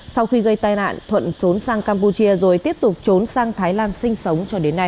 sau khi gây tai nạn thuận trốn sang campuchia rồi tiếp tục trốn sang thái lan sinh sống cho đến nay